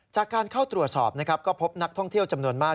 จากการเข้าตรวจสอบนะครับก็พบนักท่องเที่ยวจำนวนมาก